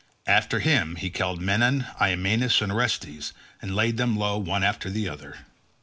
After him he killed Menon, Iamenus, and Orestes, and laid them low one after the other.